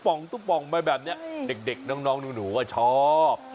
่องตุ๊บป่องมาแบบนี้เด็กน้องหนูก็ชอบ